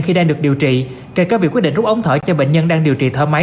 khi đang được điều trị kể cả việc quyết định rút ống thở cho bệnh nhân đang điều trị thở máy